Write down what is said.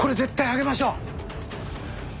上げましょう。